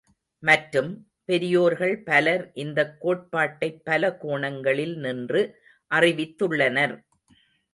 மற்றும், பெரியோர்கள் பலர் இந்தக் கோட்பாட்டைப் பல கோணங்களில் நின்று அறிவித்துள்ளனர்.